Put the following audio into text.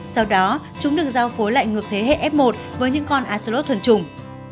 sau đó chúng được giao phối lại ngược thế hệ f một với những con axolotl thuần chủng